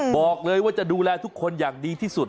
บอกเลยว่าจะดูแลทุกคนอย่างดีที่สุด